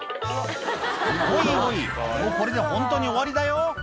「おいおいもうこれでホントに終わりだよ」